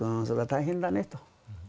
それは大変だねと。